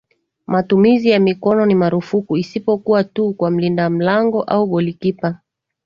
Matumizi ya mikono ni marufuku isipokuwa tu kwa mlinda mlango au golikipa